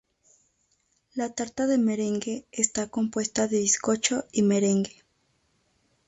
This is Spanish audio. La tarta de merengue está compuesta de bizcocho y merengue.